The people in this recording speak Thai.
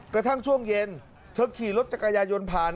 กระทั่งช่วงเย็นเธอขี่รถจักรยายนผ่าน